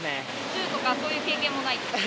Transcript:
チューとかそういう経験もない？